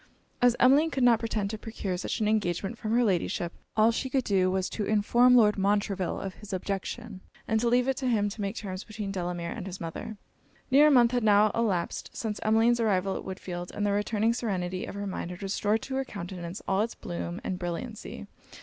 As Emmeline could not pretend to procure such an engagement from her Ladyship, all she could do was to inform Lord Montreville of his objection, and to leave it to him to make terms between Delamere and his mother. Near a month had now elapsed since Emmeline's arrival at Woodfield; and the returning serenity of her mind had restored to her countenance all it's bloom and brilliancy.